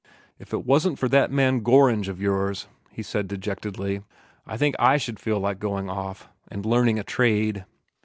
"If it wasn't for that man Gorringe of yours," he said dejectedly, "I think I should feel like going off and learning a trade."